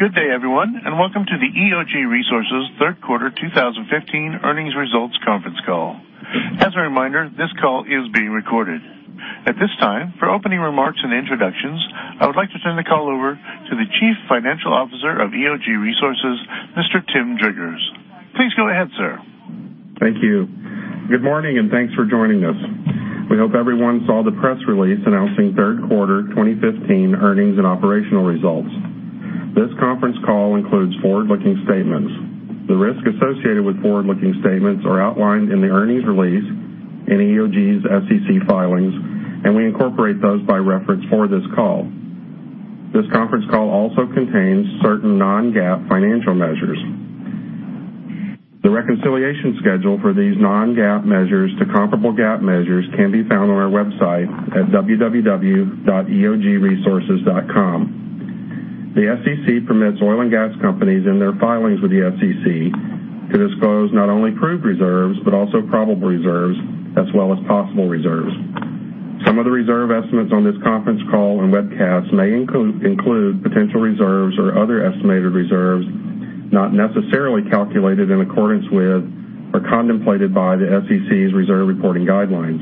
Good day, everyone, welcome to the EOG Resources third quarter 2015 earnings results conference call. As a reminder, this call is being recorded. At this time, for opening remarks and introductions, I would like to turn the call over to the Chief Financial Officer of EOG Resources, Mr. Tim Driggers. Please go ahead, sir. Thank you. Good morning, thanks for joining us. We hope everyone saw the press release announcing third quarter 2015 earnings and operational results. This conference call includes forward-looking statements. The risks associated with forward-looking statements are outlined in the earnings release in EOG's SEC filings, we incorporate those by reference for this call. This conference call also contains certain non-GAAP financial measures. The reconciliation schedule for these non-GAAP measures to comparable GAAP measures can be found on our website at www.eogresources.com. The SEC permits oil and gas companies in their filings with the SEC to disclose not only proved reserves, but also probable reserves, as well as possible reserves. Some of the reserve estimates on this conference call and webcast may include potential reserves or other estimated reserves not necessarily calculated in accordance with or contemplated by the SEC's reserve reporting guidelines.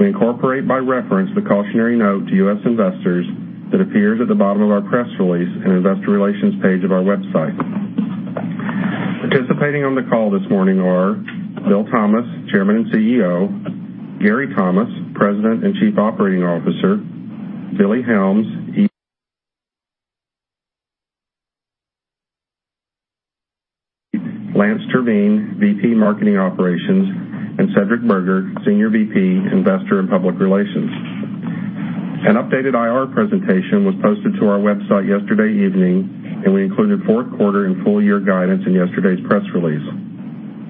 We incorporate by reference the cautionary note to U.S. investors that appears at the bottom of our press release and investor relations page of our website. Participating on the call this morning are Bill Thomas, Chairman and CEO, Gary Thomas, President and Chief Operating Officer, Billy Helms, Lance Terveen, VP Marketing Operations, Cedric Burgher, Senior VP, Investor and Public Relations. An updated IR presentation was posted to our website yesterday evening, we included fourth quarter and full year guidance in yesterday's press release.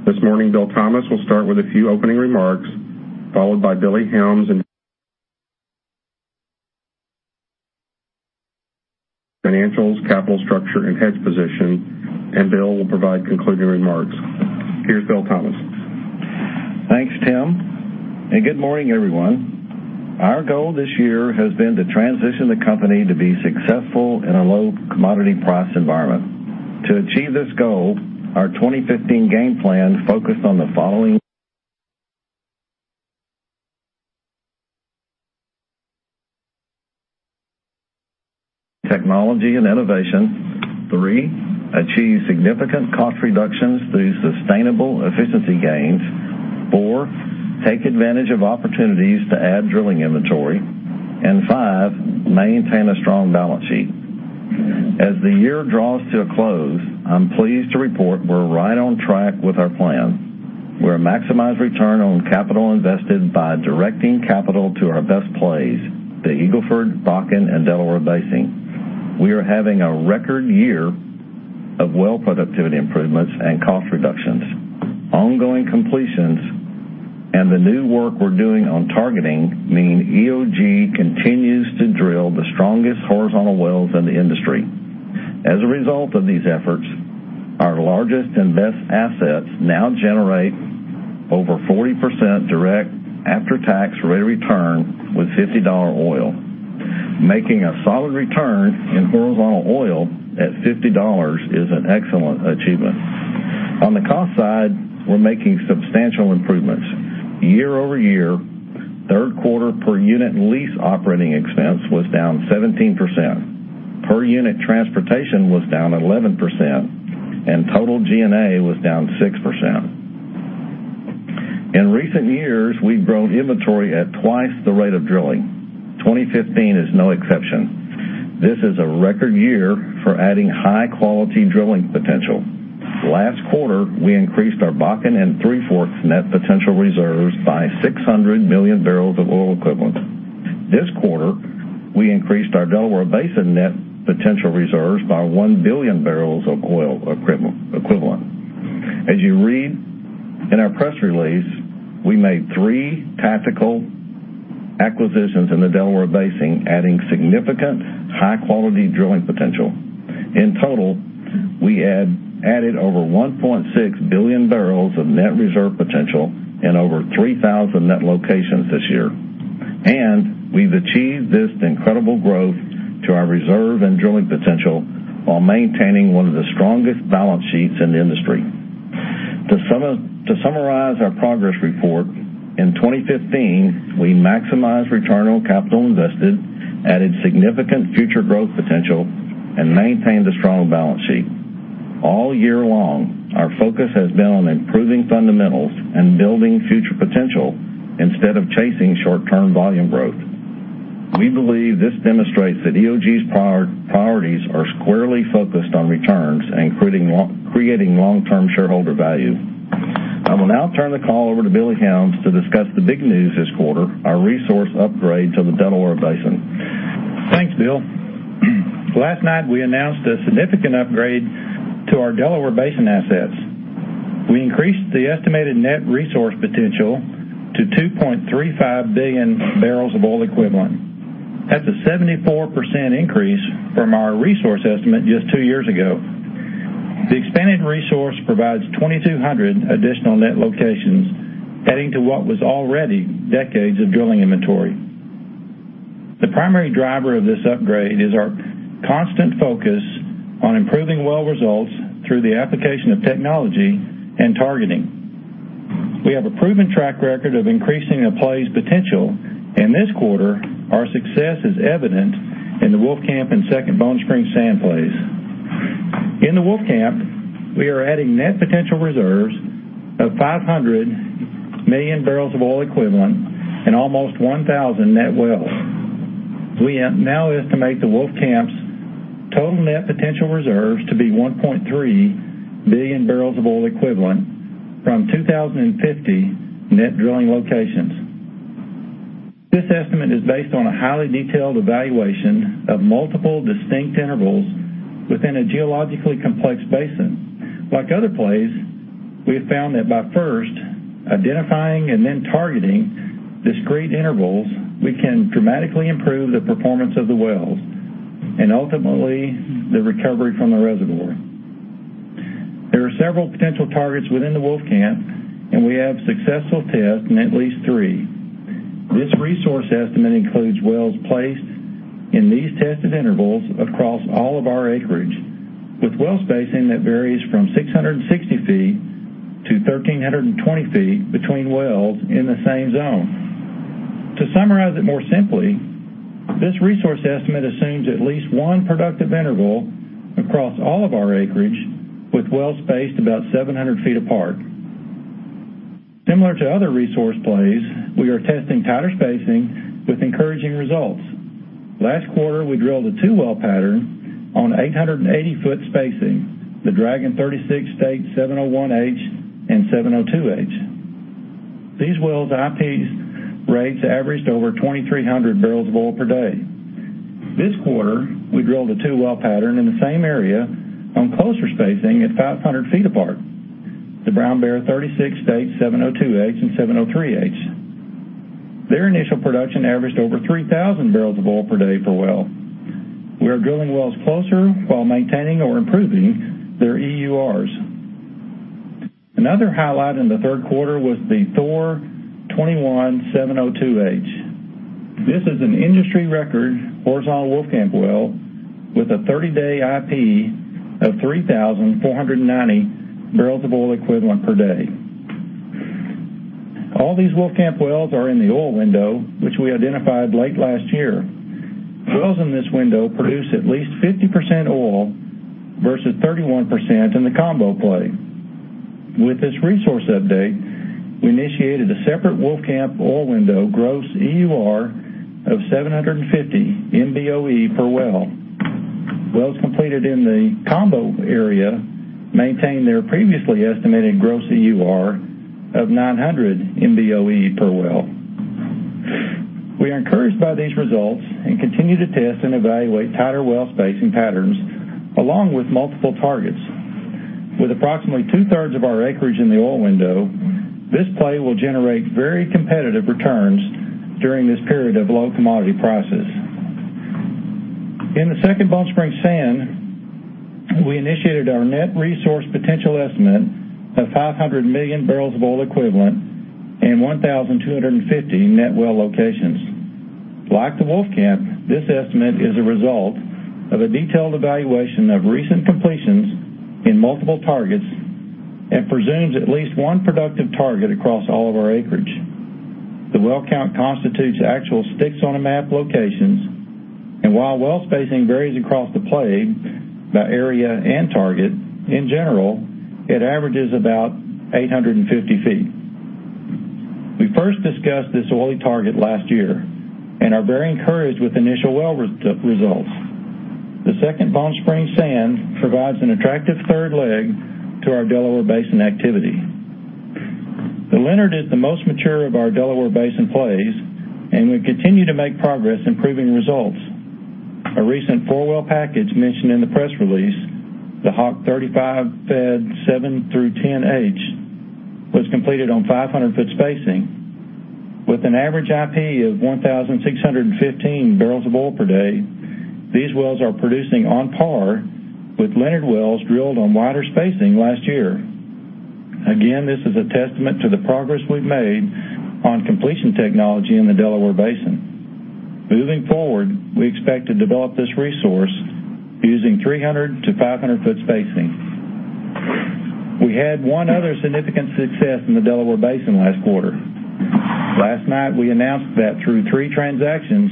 This morning, Bill Thomas will start with a few opening remarks, followed by Billy Helms and Financials, Capital Structure, and Hedge Position, Bill will provide concluding remarks. Here's Bill Thomas. Thanks, Tim, good morning, everyone. Our goal this year has been to transition the company to be successful in a low commodity price environment. To achieve this goal, our 2015 game plan focused on the following: technology and innovation. Three, achieve significant cost reductions through sustainable efficiency gains. Four, take advantage of opportunities to add drilling inventory. Five, maintain a strong balance sheet. As the year draws to a close, I'm pleased to report we're right on track with our plan. We're maximize return on capital invested by directing capital to our best plays, the Eagle Ford, Bakken, and Delaware Basin. We are having a record year of well productivity improvements and cost reductions. Ongoing completions and the new work we're doing on targeting mean EOG continues to drill the strongest horizontal wells in the industry. As a result of these efforts, our largest and best assets now generate over 40% direct after-tax rate of return with $50 oil. Making a solid return in horizontal oil at $50 is an excellent achievement. On the cost side, we're making substantial improvements. Year-over-year, third quarter per unit lease operating expense was down 17%. Per unit transportation was down 11%, total G&A was down 6%. In recent years, we've grown inventory at twice the rate of drilling. 2015 is no exception. This is a record year for adding high-quality drilling potential. Last quarter, we increased our Bakken and Three Forks net potential reserves by 600 million barrels of oil equivalent. This quarter, we increased our Delaware Basin net potential reserves by 1 billion barrels of oil equivalent. As you read in our press release, we made 3 tactical acquisitions in the Delaware Basin, adding significant high-quality drilling potential. In total, we added over 1.6 billion barrels of net reserve potential and over 3,000 net locations this year. We've achieved this incredible growth to our reserve and drilling potential while maintaining one of the strongest balance sheets in the industry. To summarize our progress report, in 2015, we maximized return on capital invested, added significant future growth potential, and maintained a strong balance sheet. All year long, our focus has been on improving fundamentals and building future potential instead of chasing short-term volume growth. We believe this demonstrates that EOG's priorities are squarely focused on returns and creating long-term shareholder value. I will now turn the call over to Billy Helms to discuss the big news this quarter, our resource upgrade to the Delaware Basin. Thanks, Bill. Last night, we announced a significant upgrade to our Delaware Basin assets. We increased the estimated net resource potential to 2.35 billion barrels of oil equivalent. That's a 74% increase from our resource estimate just 2 years ago. The expanded resource provides 2,200 additional net locations adding to what was already decades of drilling inventory. The primary driver of this upgrade is our constant focus on improving well results through the application of technology and targeting. We have a proven track record of increasing a play's potential, and this quarter our success is evident in the Wolfcamp and Second Bone Spring Sand plays. In the Wolfcamp, we are adding net potential reserves of 500 million barrels of oil equivalent and almost 1,000 net wells. We now estimate the Wolfcamp's total net potential reserves to be 1.3 billion barrels of oil equivalent from 2050 net drilling locations. This estimate is based on a highly detailed evaluation of multiple distinct intervals within a geologically complex basin. Like other plays, we have found that by first identifying and then targeting discrete intervals, we can dramatically improve the performance of the wells and ultimately the recovery from the reservoir. There are several potential targets within the Wolfcamp, and we have successful tests in at least 3. This resource estimate includes wells placed in these tested intervals across all of our acreage, with well spacing that varies from 660 feet to 1,320 feet between wells in the same zone. To summarize it more simply, this resource estimate assumes at least one productive interval across all of our acreage, with wells spaced about 700 feet apart. Last quarter, we drilled a two-well pattern on 880-foot spacing, the Dragon 36 State 701H and 702H. These wells' IPs rates averaged over 2,300 barrels of oil per day. This quarter, we drilled a two-well pattern in the same area on closer spacing at 500 feet apart. The Brown Bear 36 State 702H and 703H. Their initial production averaged over 3,000 barrels of oil per day per well. We are drilling wells closer while maintaining or improving their EURs. Another highlight in the third quarter was the Thor 21 702H. This is an industry record horizontal Wolfcamp well with a 30-day IP of 3,490 barrels of oil equivalent per day. All these Wolfcamp wells are in the oil window, which we identified late last year. Wells in this window produce at least 50% oil versus 31% in the combo play. With this resource update, we initiated a separate Wolfcamp oil window gross EUR of 750 MB OE per well. Wells completed in the combo area maintain their previously estimated gross EUR of 900 MB OE per well. We are encouraged by these results and continue to test and evaluate tighter well spacing patterns along with multiple targets. With approximately two-thirds of our acreage in the oil window, this play will generate very competitive returns during this period of low commodity prices. In the Second Bone Spring Sand, we initiated our net resource potential estimate of 500 million barrels of oil equivalent and 1,250 net well locations. Like the Wolfcamp, this estimate is a result of a detailed evaluation of recent completions in multiple targets and presumes at least one productive target across all of our acreage. The well count constitutes actual sticks-on-a-map locations, and while well spacing varies across the play by area and target, in general, it averages about 850 feet. We first discussed this oily target last year and are very encouraged with initial well results. The Second Bone Spring Sand provides an attractive third leg to our Delaware Basin activity. The Leonard is the most mature of our Delaware Basin plays, and we continue to make progress improving results. A recent four-well package mentioned in the press release, the Hawk 35 Fed 7 through 10H, was completed on 500-foot spacing. With an average IP of 1,615 barrels of oil per day, these wells are producing on par with Leonard wells drilled on wider spacing last year. Again, this is a testament to the progress we've made on completion technology in the Delaware Basin. Moving forward, we expect to develop this resource using 300- to 500-foot spacing. Last night, we announced that through three transactions,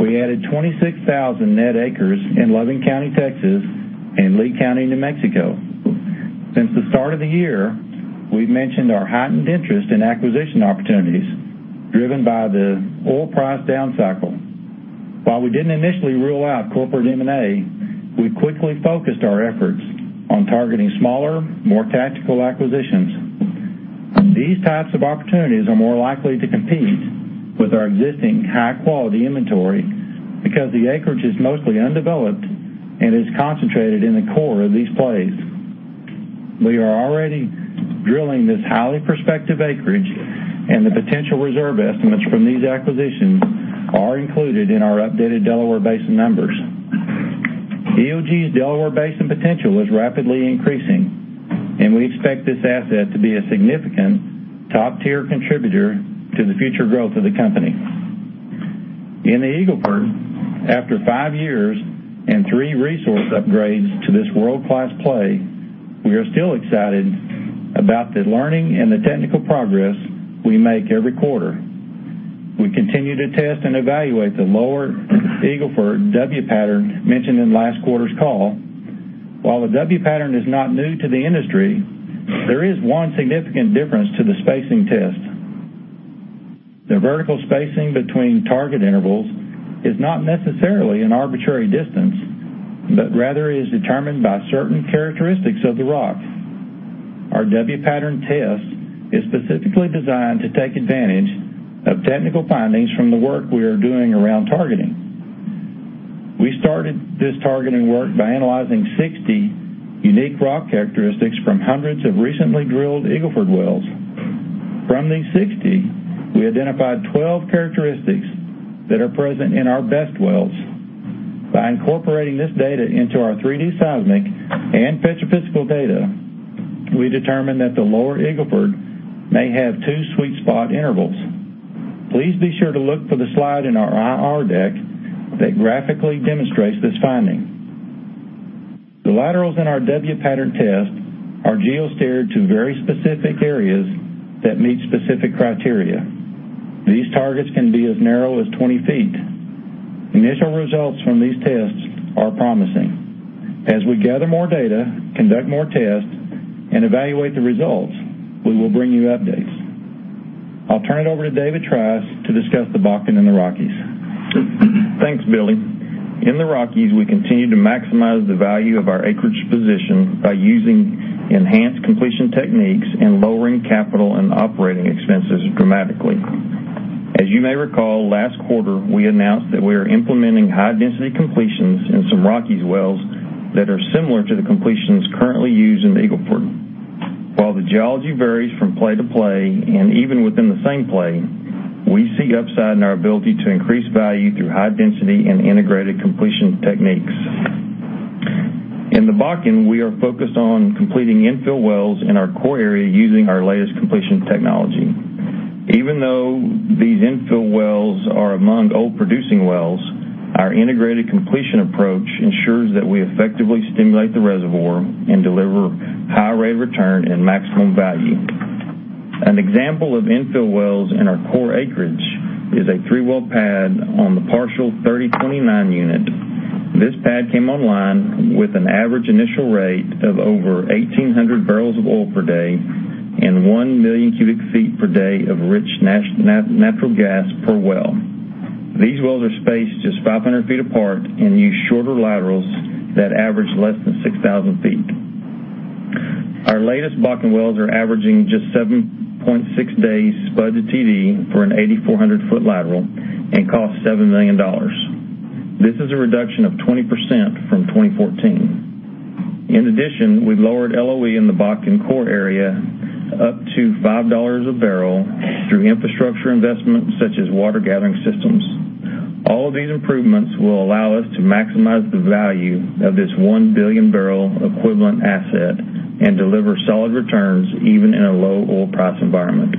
we added 26,000 net acres in Loving County, Texas, and Lea County, New Mexico. Since the start of the year, we've mentioned our heightened interest in acquisition opportunities driven by the oil price down cycle. While we didn't initially rule out corporate M&A, we quickly focused our efforts on targeting smaller, more tactical acquisitions. These types of opportunities are more likely to compete with our existing high-quality inventory because the acreage is mostly undeveloped and is concentrated in the core of these plays. We are already drilling this highly prospective acreage, and the potential reserve estimates from these acquisitions are included in our updated Delaware Basin numbers. EOG's Delaware Basin potential is rapidly increasing. We expect this asset to be a significant top-tier contributor to the future growth of the company. In the Eagle Ford, after 5 years and 3 resource upgrades to this world-class play, we are still excited about the learning and the technical progress we make every quarter. We continue to test and evaluate the lower Eagle Ford W pattern mentioned in last quarter's call. While the W pattern is not new to the industry, there is one significant difference to the spacing test. The vertical spacing between target intervals is not necessarily an arbitrary distance, but rather is determined by certain characteristics of the rock. Our W pattern test is specifically designed to take advantage of technical findings from the work we are doing around targeting. We started this targeting work by analyzing 60 unique rock characteristics from hundreds of recently drilled Eagle Ford wells. From these 60, we identified 12 characteristics that are present in our best wells. By incorporating this data into our 3D seismic and petrophysical data, we determined that the lower Eagle Ford may have two sweet spot intervals. Please be sure to look for the slide in our IR deck that graphically demonstrates this finding. The laterals in our W pattern test are geosteered to very specific areas that meet specific criteria. These targets can be as narrow as 20 feet. Initial results from these tests are promising. As we gather more data, conduct more tests, and evaluate the results, we will bring you updates. I'll turn it over to David Trice to discuss the Bakken and the Rockies. Thanks, Billy. In the Rockies, we continue to maximize the value of our acreage position by using enhanced completion techniques and lowering capital and operating expenses dramatically. As you may recall, last quarter, we announced that we are implementing high-density completions in some Rockies wells that are similar to the completions currently used in the Eagle Ford. While the geology varies from play to play and even within the same play, we see upside in our ability to increase value through high density and integrated completion techniques. In the Bakken, we are focused on completing infill wells in our core area using our latest completion technology. Even though these infill wells are among old producing wells, our integrated completion approach ensures that we effectively stimulate the reservoir and deliver high rate of return and maximum value. An example of infill wells in our core acreage is a three-well pad on the Parshall 30-29 unit. This pad came online with an average initial rate of over 1,800 barrels of oil per day and 1 million cubic feet per day of rich natural gas per well. These wells are spaced just 500 feet apart and use shorter laterals that average less than 6,000 feet. Our latest Bakken wells are averaging just 7.6 days spud to TD for an 8,400-foot lateral and cost $7 million. This is a reduction of 20% from 2014. In addition, we've lowered LOE in the Bakken core area up to $5 a barrel through infrastructure investments such as water gathering systems. All of these improvements will allow us to maximize the value of this 1 billion barrel equivalent asset and deliver solid returns even in a low oil price environment.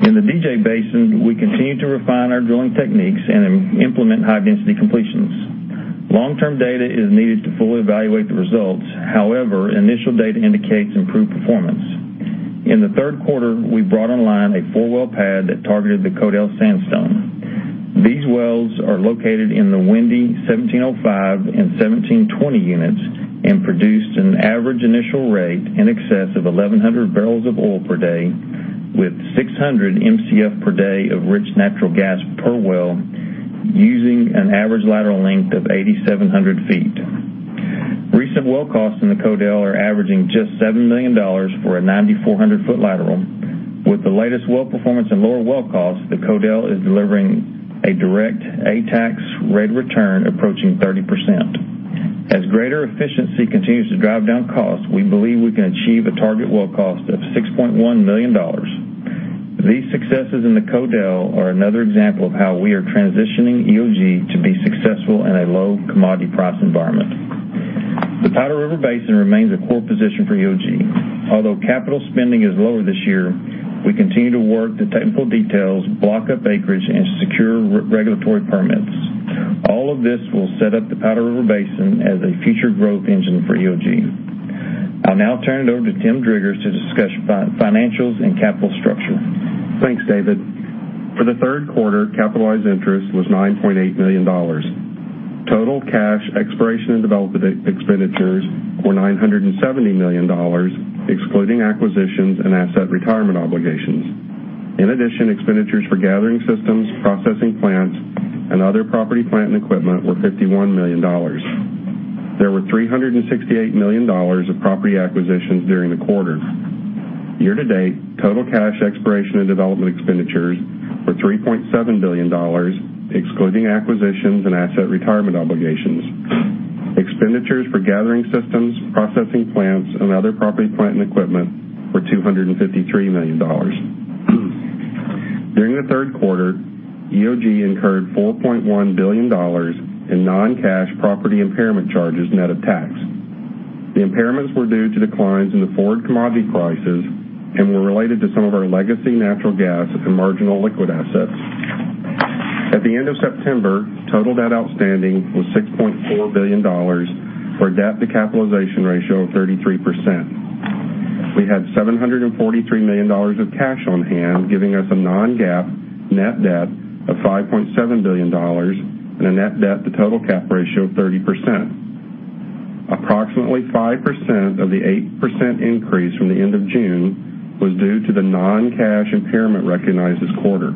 In the DJ Basin, we continue to refine our drilling techniques and implement high-density completions. Long-term data is needed to fully evaluate the results. However, initial data indicates improved performance. In the third quarter, we brought online a four-well pad that targeted the Codell Sandstone. These wells are located in the Windy 1705 and 1720 units and produced an average initial rate in excess of 1,100 barrels of oil per day with 600 MCF per day of rich natural gas per well, using an average lateral length of 8,700 feet. Recent well costs in the Codell are averaging just $7 million for a 9,400-foot lateral. With the latest well performance and lower well costs, the Codell is delivering a direct after-tax rate return approaching 30%. As greater efficiency continues to drive down costs, we believe we can achieve a target well cost of $6.1 million. These successes in the Codell are another example of how we are transitioning EOG to be successful in a low commodity price environment. The Powder River Basin remains a core position for EOG. Although capital spending is lower this year, we continue to work the technical details, block up acreage, and secure regulatory permits. All of this will set up the Powder River Basin as a future growth engine for EOG. I will now turn it over to Tim Driggers to discuss financials and capital structure. Thanks, David. For the third quarter, capitalized interest was $9.8 million. Total cash, exploration, and development expenditures were $970 million, excluding acquisitions and asset retirement obligations. In addition, expenditures for gathering systems, processing plants, and other property, plant, and equipment were $51 million. There were $368 million of property acquisitions during the quarter. Year-to-date, total cash exploration and development expenditures were $3.7 billion, excluding acquisitions and asset retirement obligations. Expenditures for gathering systems, processing plants, and other property plant and equipment were $253 million. During the third quarter, EOG incurred $4.1 billion in non-cash property impairment charges net of tax. The impairments were due to declines in the forward commodity prices and were related to some of our legacy natural gas and marginal liquid assets. At the end of September, total debt outstanding was $6.4 billion, for a debt-to-capitalization ratio of 33%. We had $743 million of cash on hand, giving us a non-GAAP net debt of $5.7 billion and a net debt to total cap ratio of 30%. Approximately 5% of the 8% increase from the end of June was due to the non-cash impairment recognized this quarter.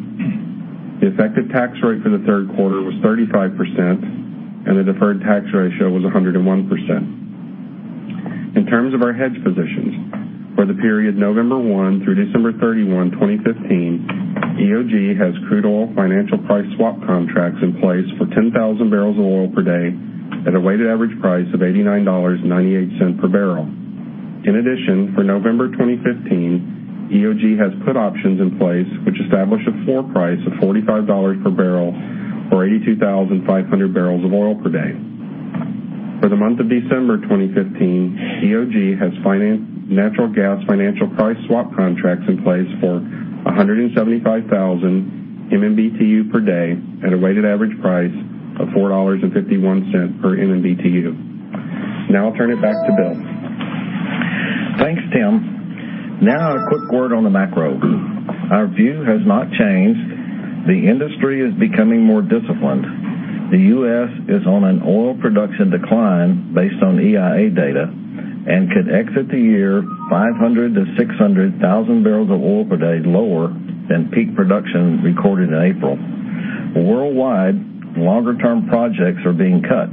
The effective tax rate for the third quarter was 35%, and the deferred tax ratio was 101%. In terms of our hedge positions, for the period November 1 through December 31, 2015, EOG has crude oil financial price swap contracts in place for 10,000 barrels of oil per day at a weighted average price of $89.98 per barrel. In addition, for November 2015, EOG has put options in place which establish a floor price of $45 per barrel or 82,500 barrels of oil per day. For the month of December 2015, EOG has natural gas financial price swap contracts in place for 175,000 MMBtu per day at a weighted average price of $4.51 per MMBtu. Now I'll turn it back to Bill. Thanks, Tim. A quick word on the macro. Our view has not changed. The industry is becoming more disciplined. The U.S. is on an oil production decline based on EIA data and could exit the year 500,000-600,000 barrels of oil per day lower than peak production recorded in April. Worldwide, longer-term projects are being cut.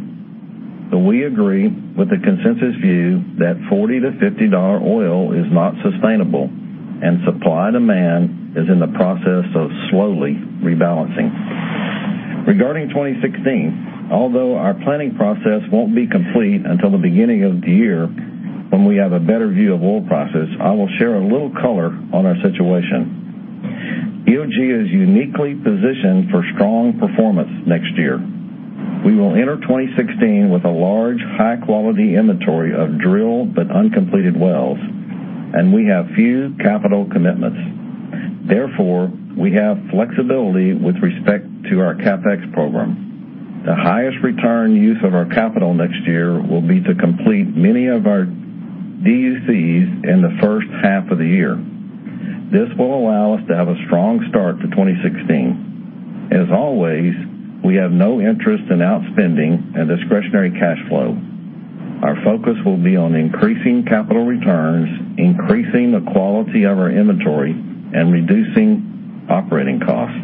We agree with the consensus view that $40-$50 oil is not sustainable and supply-demand is in the process of slowly rebalancing. Regarding 2016, although our planning process won't be complete until the beginning of the year when we have a better view of oil prices, I will share a little color on our situation. EOG is uniquely positioned for strong performance next year. We will enter 2016 with a large, high-quality inventory of drilled but uncompleted wells. We have few capital commitments. Therefore, we have flexibility with respect to our CapEx program. The highest return use of our capital next year will be to complete many of our DUCs in the first half of the year. This will allow us to have a strong start to 2016. As always, we have no interest in outspending discretionary cash flow. Our focus will be on increasing capital returns, increasing the quality of our inventory, and reducing operating costs.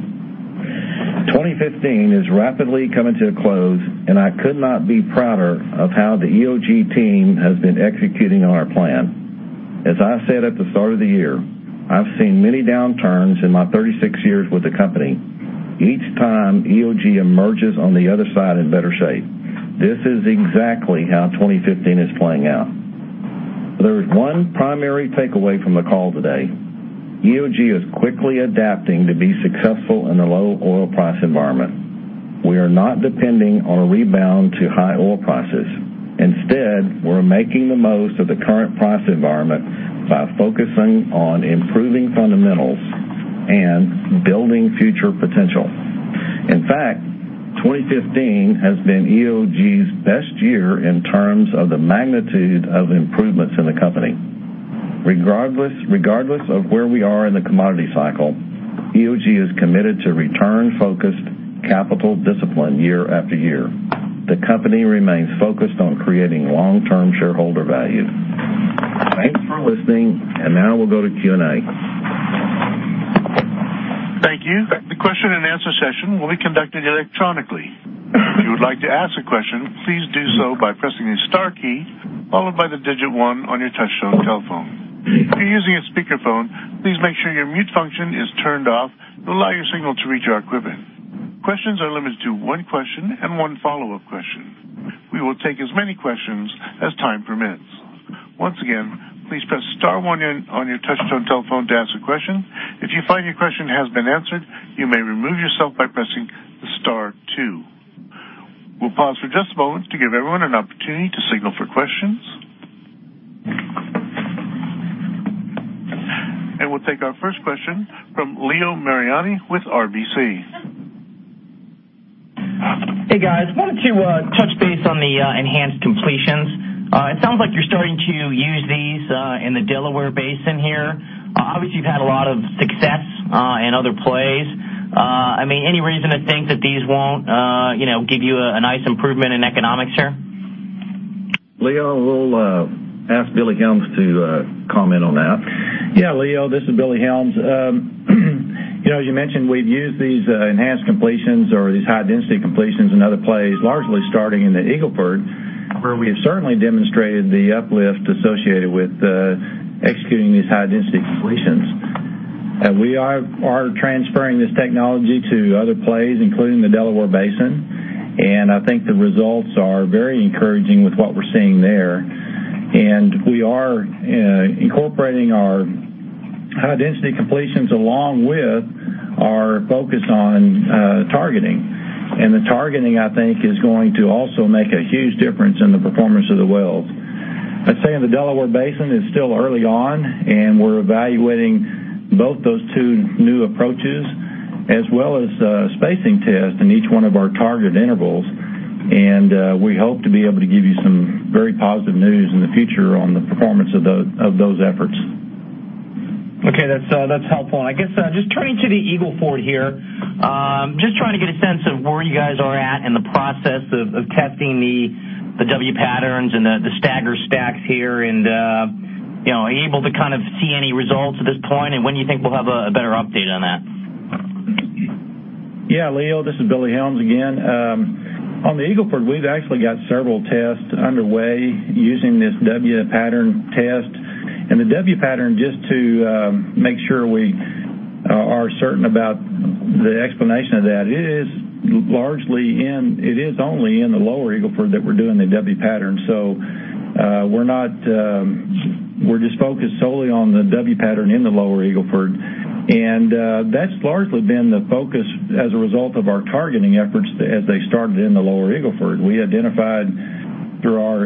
2015 is rapidly coming to a close. I could not be prouder of how the EOG team has been executing on our plan. As I said at the start of the year, I've seen many downturns in my 36 years with the company. Each time, EOG emerges on the other side in better shape. This is exactly how 2015 is playing out. There is one primary takeaway from the call today. EOG is quickly adapting to be successful in the low oil price environment. We are not depending on a rebound to high oil prices. Instead, we're making the most of the current price environment by focusing on improving fundamentals and building future potential. In fact, 2015 has been EOG's best year in terms of the magnitude of improvements in the company. Regardless of where we are in the commodity cycle, EOG is committed to return-focused capital discipline year after year. The company remains focused on creating long-term shareholder value. Thanks for listening. Now we'll go to Q&A. Thank you. The question and answer session will be conducted electronically. If you would like to ask a question, please do so by pressing the star key, followed by the digit 1 on your touch-tone telephone. If you're using a speakerphone, please make sure your mute function is turned off to allow your signal to reach our equipment. Questions are limited to 1 question and 1 follow-up question. We will take as many questions as time permits. Once again, please press star 1 on your touch-tone telephone to ask a question. If you find your question has been answered, you may remove yourself by pressing star 2. We'll pause for just a moment to give everyone an opportunity to signal for questions. We'll take our first question from Leo Mariani with RBC. Hey, guys. Wanted to touch base on the enhanced completions. It sounds like you're starting to use these in the Delaware Basin here. Obviously, you've had a lot of success in other plays. Any reason to think that these won't give you a nice improvement in economics here? Leo, we'll ask Billy Helms to comment on that. Yeah, Leo, this is Billy Helms. As you mentioned, we've used these enhanced completions or these high density completions in other plays, largely starting in the Eagle Ford, where we have certainly demonstrated the uplift associated with executing these high density completions. We are transferring this technology to other plays, including the Delaware Basin, and I think the results are very encouraging with what we're seeing there. We are incorporating our high density completions along with our focus on targeting. The targeting, I think, is going to also make a huge difference in the performance of the wells. I'd say in the Delaware Basin, it's still early on, and we're evaluating both those 2 new approaches, as well as a spacing test in each one of our target intervals. We hope to be able to give you some very positive news in the future on the performance of those efforts. Okay. That's helpful. I guess, just turning to the Eagle Ford here. Just trying to get a sense of where you guys are at in the process of testing the W patterns and the stagger stacks here, and are you able to see any results at this point, and when do you think we'll have a better update on that? Yeah, Leo, this is Billy Helms again. On the Eagle Ford, we've actually got several tests underway using this W pattern test. The W pattern, just to make sure we are certain about the explanation of that, it is only in the lower Eagle Ford that we're doing the W pattern. We're just focused solely on the W pattern in the lower Eagle Ford. That's largely been the focus as a result of our targeting efforts as they started in the lower Eagle Ford. We identified through our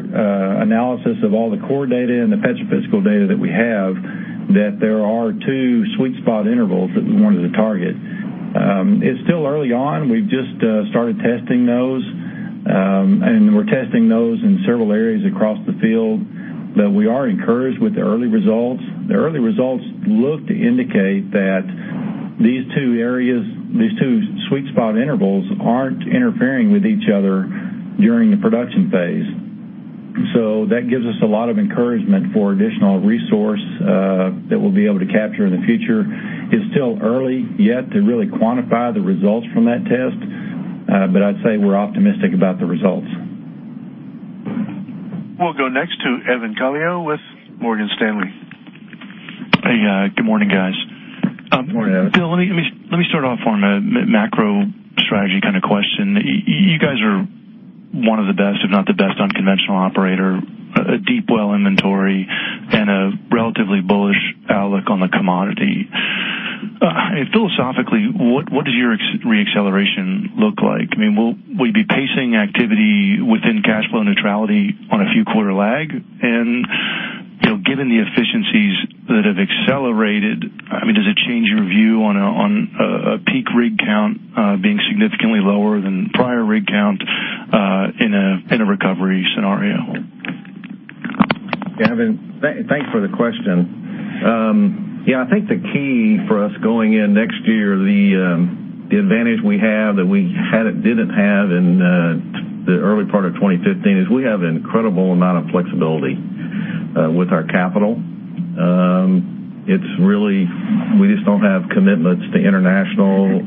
analysis of all the core data and the petrophysical data that we have, that there are two sweet spot intervals that we wanted to target. It's still early on. We've just started testing those, and we're testing those in several areas across the field, but we are encouraged with the early results. The early results look to indicate that these two sweet spot intervals aren't interfering with each other during the production phase. That gives us a lot of encouragement for additional resource that we'll be able to capture in the future. It's still early yet to really quantify the results from that test, but I'd say we're optimistic about the results. We'll go next to Evan Calio with Morgan Stanley. Hey, good morning, guys. Morning, Evan. Bill, let me start off on a macro strategy kind of question. You guys are one of the best, if not the best unconventional operator, a deep well inventory, and a relatively bullish outlook on the commodity. Philosophically, what does your re-acceleration look like? Will you be pacing activity within cash flow neutrality on a few quarter lag? Bill, given the efficiencies that have accelerated, does it change your view on a peak rig count being significantly lower than prior rig count in a recovery scenario? Evan, thanks for the question. I think the key for us going in next year, the advantage we have that we didn't have in the early part of 2015, is we have an incredible amount of flexibility with our capital. We just don't have commitments to international.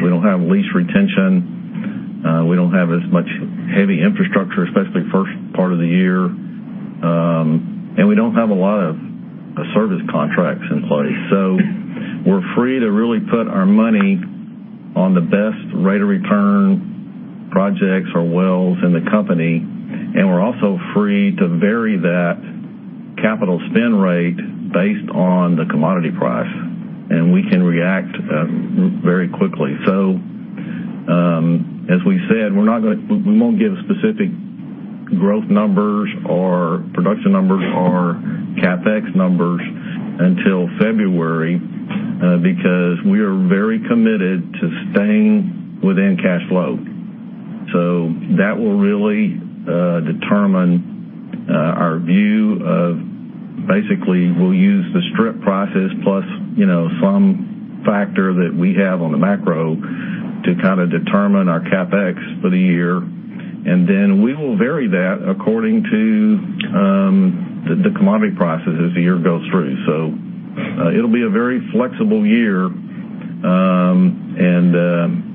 We don't have lease retention. We don't have as much heavy infrastructure, especially first part of the year. We don't have a lot of service contracts in place. We're free to really put our money on the best rate of return projects or wells in the company, and we're also free to vary that capital spend rate based on the commodity price, and we can react very quickly. As we said, we won't give specific growth numbers or production numbers or CapEx numbers until February, because we are very committed to staying within cash flow. That will really determine our view of basically we'll use the strip prices plus some factor that we have on the macro to determine our CapEx for the year. Then we will vary that according to the commodity prices as the year goes through. It'll be a very flexible year,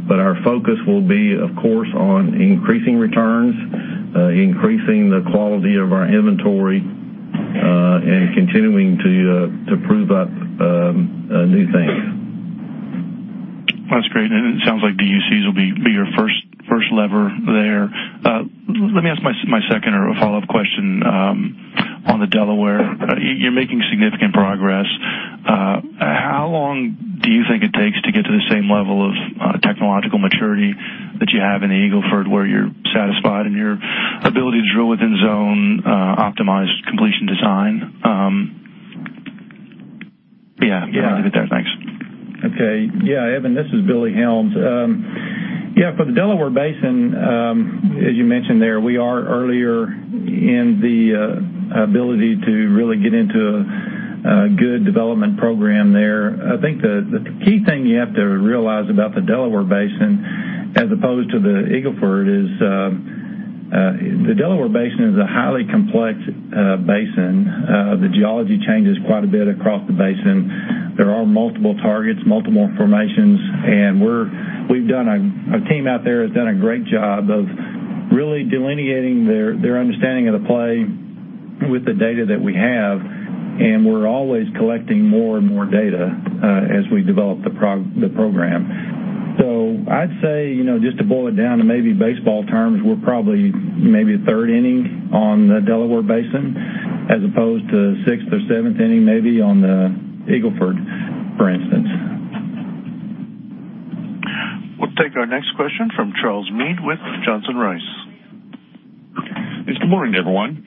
but our focus will be, of course, on increasing returns, increasing the quality of our inventory, and continuing to prove up new things. That's great. It sounds like DUCs will be your first lever there. Let me ask my second or a follow-up question on the Delaware. You're making significant progress. How long do you think it takes to get to the same level of technological maturity that you have in the Eagle Ford, where you're satisfied in your ability to drill within zone, optimize completion design? Yeah. Yeah. I'll leave it there. Thanks. Okay. Yeah, Evan, this is Billy Helms. For the Delaware Basin, as you mentioned there, we are earlier in the ability to really get into a good development program there. I think the key thing you have to realize about the Delaware Basin, as opposed to the Eagle Ford, is the Delaware Basin is a highly complex basin. The geology changes quite a bit across the basin. There are multiple targets, multiple formations, and our team out there has done a great job of really delineating their understanding of the play with the data that we have, and we're always collecting more and more data as we develop the program. I'd say, just to boil it down to maybe baseball terms, we're probably maybe third inning on the Delaware Basin as opposed to sixth or seventh inning, maybe, on the Eagle Ford, for instance. We'll take our next question from Charles Meade with Johnson Rice. Yes. Good morning to everyone.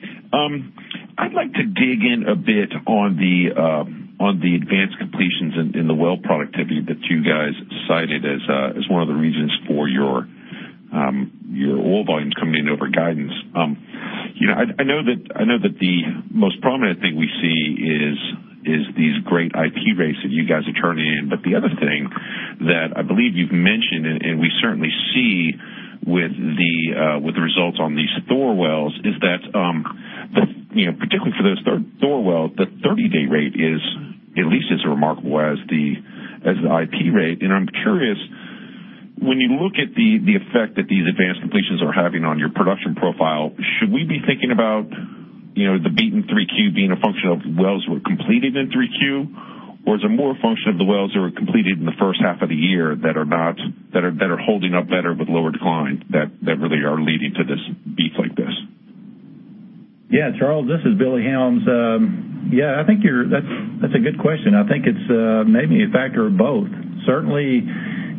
I'd like to dig in a bit on the advanced completions and the well productivity that you guys cited as one of the reasons for your oil volumes coming in over guidance. I know that the most prominent thing we see is these great IP rates that you guys are turning in. But the other thing that I believe you've mentioned, and we certainly see with the results on these Thor wells, is that, particularly for those Thor wells, the 30-day rate is at least as remarkable as the IP rate. I'm curious, when you look at the effect that these advanced completions are having on your production profile, should we be thinking about the beat in 3Q being a function of wells that were completed in 3Q? Is it more a function of the wells that were completed in the first half of the year that are holding up better with lower decline that really are leading to this beat like this? Charles, this is Billy Helms. I think that's a good question. I think it's maybe a factor of both. Certainly,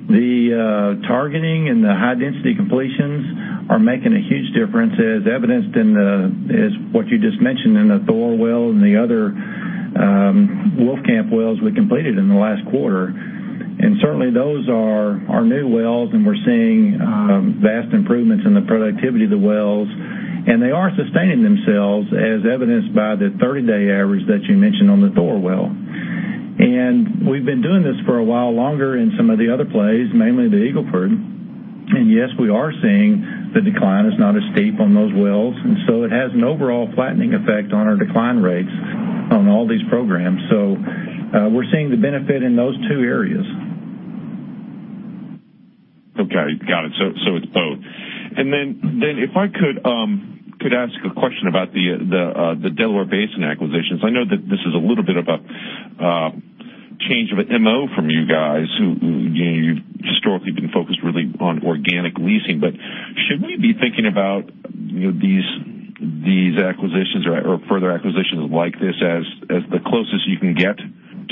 the targeting and the high-density completions are making a huge difference, as evidenced in what you just mentioned in the Thor well and the other Wolfcamp wells we completed in the last quarter. Certainly, those are new wells, we're seeing vast improvements in the productivity of the wells. They are sustaining themselves, as evidenced by the 30-day average that you mentioned on the Thor well. We've been doing this for a while longer in some of the other plays, mainly the Eagle Ford. Yes, we are seeing the decline is not as steep on those wells, so it has an overall flattening effect on our decline rates on all these programs. We're seeing the benefit in those two areas. Okay. Got it. It's both. If I could ask a question about the Delaware Basin acquisitions. I know that this is a little bit of a change of MO from you guys who, historically, have been focused really on organic leasing. Should we be thinking about these acquisitions or further acquisitions like this as the closest you can get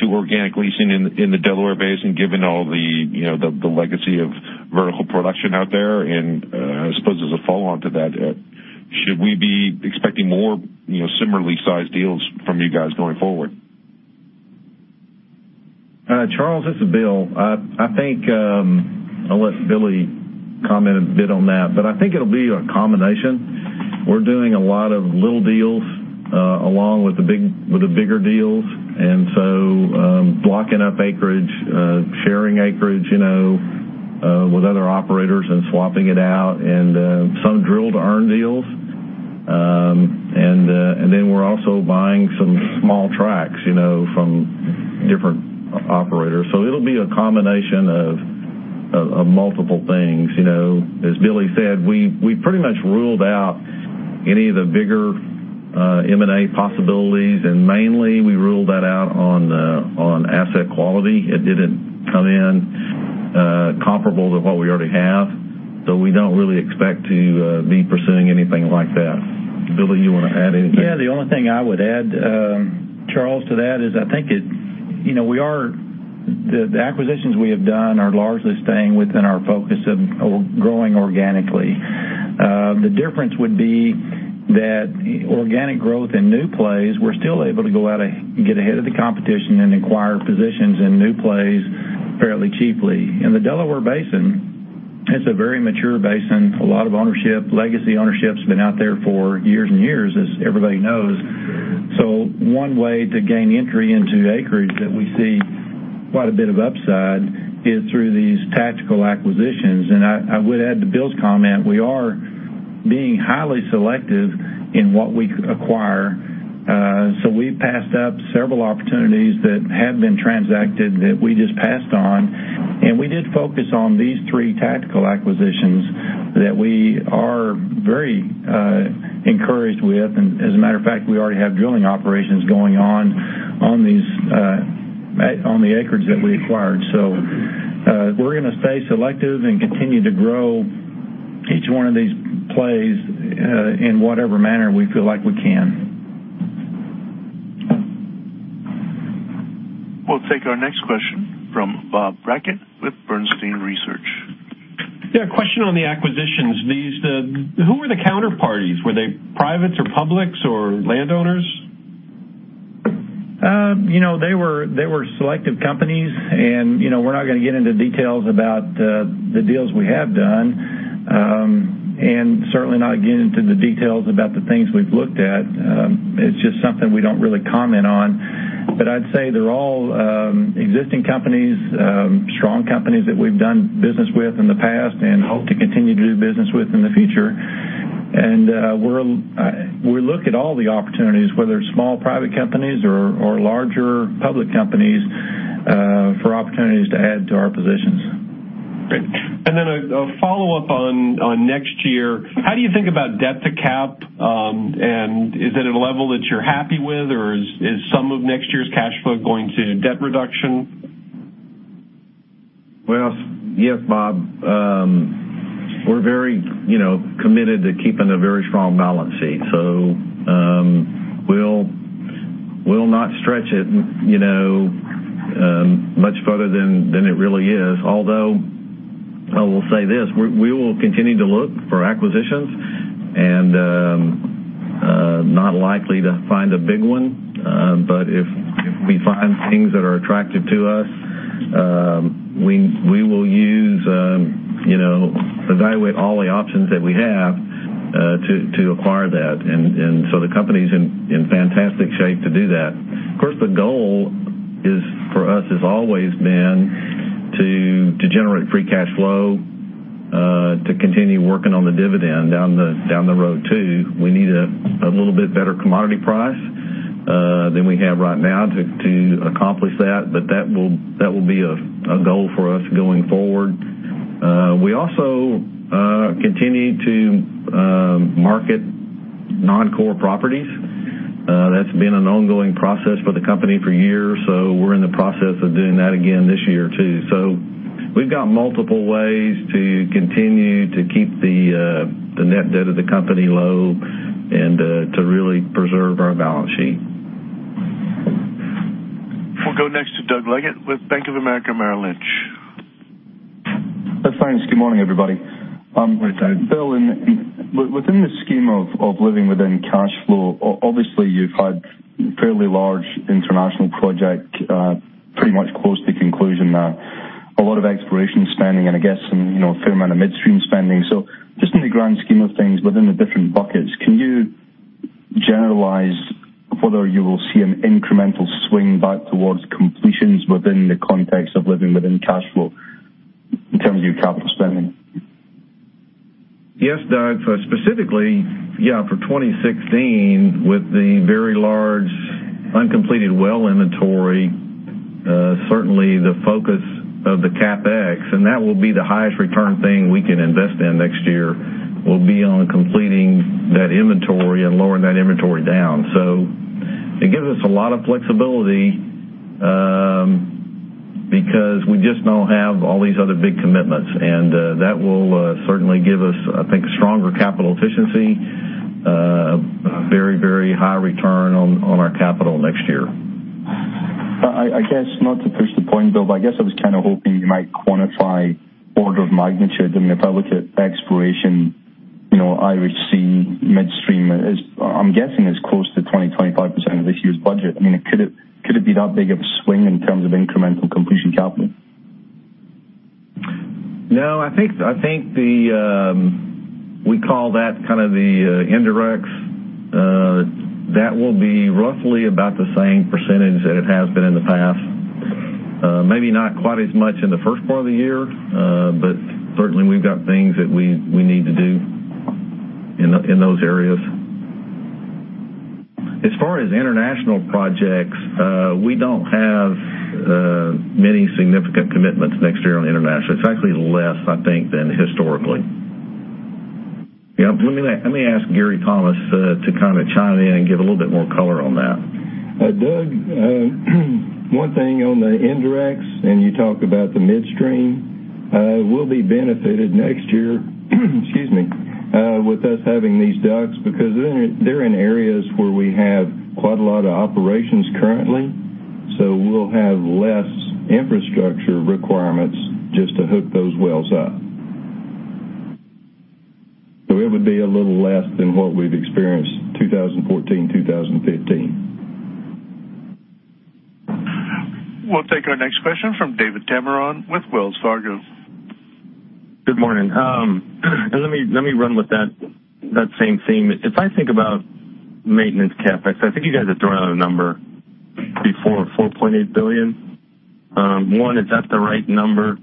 to organic leasing in the Delaware Basin, given all the legacy of vertical production out there? I suppose as a follow-on to that, should we be expecting more similarly sized deals from you guys going forward? Charles, this is Bill. I'll let Billy comment a bit on that, but I think it'll be a combination. We're doing a lot of little deals along with the bigger deals, so blocking up acreage, sharing acreage with other operators and swapping it out, and some drill-to-earn deals. We're also buying some small tracts from different operators. It'll be a combination of multiple things. As Billy said, we pretty much ruled out any of the bigger M&A possibilities, mainly we ruled that out on asset quality. It didn't come in comparable to what we already have, so we don't really expect to be pursuing anything like that. Billy, you want to add anything? The only thing I would add, Charles, to that is I think the acquisitions we have done are largely staying within our focus of growing organically. The difference would be that organic growth in new plays, we're still able to go out and get ahead of the competition and acquire positions in new plays fairly cheaply. In the Delaware Basin, it's a very mature basin. A lot of legacy ownership's been out there for years and years, as everybody knows. One way to gain entry into acreage that we see quite a bit of upside is through these tactical acquisitions. I would add to Bill's comment, we are being highly selective in what we acquire. We passed up several opportunities that have been transacted that we just passed on, and we did focus on these three tactical acquisitions that we are very encouraged with. As a matter of fact, we already have drilling operations going on the acreage that we acquired. We're going to stay selective and continue to grow each one of these plays in whatever manner we feel like we can. We'll take our next question from Robert Brackett with Bernstein Research. Yeah, a question on the acquisitions. Who were the counterparties? Were they privates or publics or landowners? They were selective companies, and we're not going to get into details about the deals we have done, and certainly not get into the details about the things we've looked at. It's just something we don't really comment on. I'd say they're all existing companies, strong companies that we've done business with in the past and hope to continue to do business with in the future. We look at all the opportunities, whether it's small private companies or larger public companies, for opportunities to add to our positions. Great. Then a follow-up on next year, how do you think about debt to cap, and is it at a level that you're happy with, or is some of next year's cash flow going to debt reduction? Well, yes, Bob. We're very committed to keeping a very strong balance sheet, we'll not stretch it much further than it really is. Although, I will say this, we will continue to look for acquisitions and not likely to find a big one. If we find things that are attractive to us, we will evaluate all the options that we have to acquire that. The company's in fantastic shape to do that. Of course, the goal for us has always been to generate free cash flow, to continue working on the dividend down the road, too. We need a little bit better commodity price than we have right now to accomplish that. That will be a goal for us going forward. We also continue to market non-core properties. That's been an ongoing process for the company for years. We're in the process of doing that again this year, too. We've got multiple ways to continue to keep the net debt of the company low and to really preserve our balance sheet. We'll go next to Doug Leggate with Bank of America Merrill Lynch. Thanks. Good morning, everybody. Good day. Bill, within the scheme of living within cash flow, obviously you've had fairly large international project pretty much close to conclusion now. A lot of exploration spending, and I guess some fair amount of midstream spending. Just in the grand scheme of things, within the different buckets, can you generalize whether you will see an incremental swing back towards completions within the context of living within cash flow in terms of your capital spending? Yes, Doug, specifically, yeah, for 2016, with the very large uncompleted well inventory, certainly the focus of the CapEx, and that will be the highest return thing we can invest in next year, will be on completing that inventory and lowering that inventory down. It gives us a lot of flexibility, because we just don't have all these other big commitments. That will certainly give us, I think, stronger capital efficiency, a very high return on our capital next year. I guess, not to push the point, Bill, I guess I was kind of hoping you might quantify order of magnitude. I mean, if I look at exploration, Irish Sea, midstream, I'm guessing it's close to 20%, 25% of this year's budget. I mean, could it be that big of a swing in terms of incremental completion capital? No, I think we call that kind of the indirects. That will be roughly about the same percentage that it has been in the past. Maybe not quite as much in the first part of the year. Certainly, we've got things that we need to do in those areas. As far as international projects, we don't have many significant commitments next year on international. It's actually less, I think, than historically. Yeah, let me ask Gary Thomas to chime in and give a little bit more color on that. Doug, one thing on the indirects, you talked about the midstream, we'll be benefited next year with us having these DUCs, because they're in areas where we have quite a lot of operations currently. We'll have less infrastructure requirements just to hook those wells up. It would be a little less than what we've experienced 2014, 2015. We'll take our next question from David Tameron with Wells Fargo. Good morning. Let me run with that same theme. If I think about maintenance CapEx, I think you guys have thrown out a number before, $4.8 billion. One, is that the right number?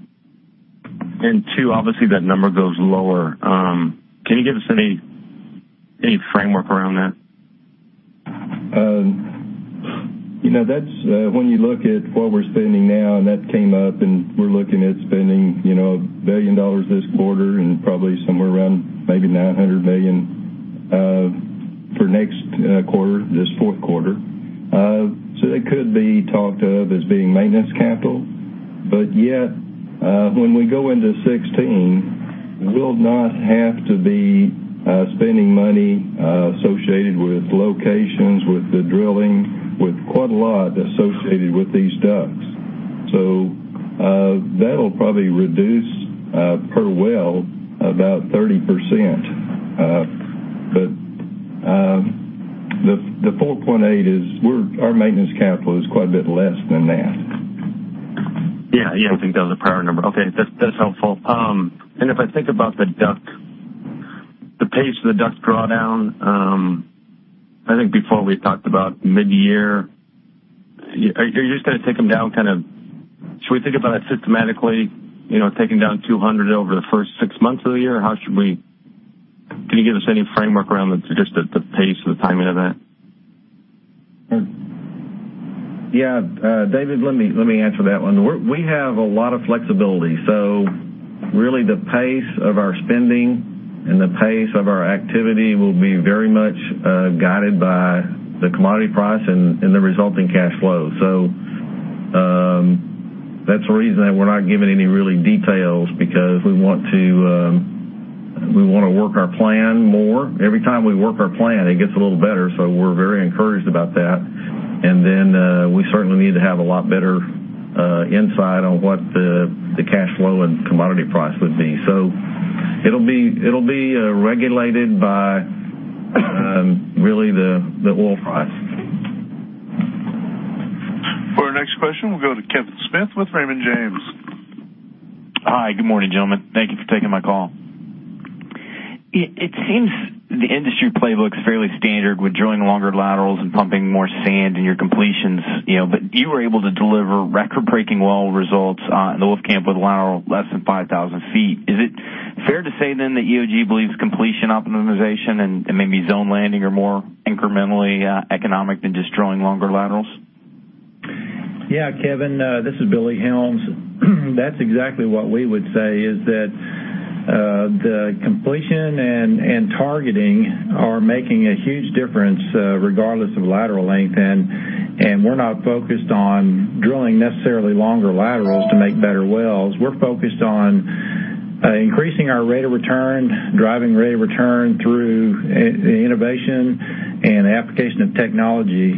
Two, obviously that number goes lower. Can you give us any framework around that? When you look at what we're spending now, and that came up, and we're looking at spending $1 billion this quarter and probably somewhere around maybe $900 million for next quarter, this fourth quarter. It could be talked of as being maintenance capital. Yet, when we go into 2016, we'll not have to be spending money associated with locations, with the drilling, with quite a lot associated with these DUCs. That'll probably reduce per well about 30%. The $4.8 is our maintenance capital is quite a bit less than that. Yeah. I think that was a prior number. Okay. That's helpful. If I think about the DUCs. The pace of the debt drawdown, I think before we talked about mid-year. Are you just going to take them down? Should we think about it systematically, taking down 200 over the first six months of the year? Can you give us any framework around just the pace or the timing of that? Yeah. David, let me answer that one. We have a lot of flexibility. Really, the pace of our spending and the pace of our activity will be very much guided by the commodity price and the resulting cash flow. That's the reason that we're not giving any really details, because we want to work our plan more. Every time we work our plan, it gets a little better, we're very encouraged about that. We certainly need to have a lot better insight on what the cash flow and commodity price would be. It'll be regulated by really the oil price. For our next question, we'll go to Kevin Smith with Raymond James. Hi. Good morning, gentlemen. Thank you for taking my call. It seems the industry playbook's fairly standard with drilling longer laterals and pumping more sand in your completions. You were able to deliver record-breaking well results in the Wolfcamp with a lateral less than 5,000 feet. Is it fair to say that EOG believes completion optimization and maybe zone landing are more incrementally economic than just drilling longer laterals? Yeah, Kevin, this is Billy Helms. That's exactly what we would say, is that the completion and targeting are making a huge difference regardless of lateral length. We're not focused on drilling necessarily longer laterals to make better wells. We're focused on increasing our rate of return, driving rate of return through innovation and application of technology,